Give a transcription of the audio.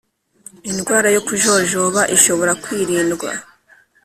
Indwara yo kujojoba ishobora kwirindwa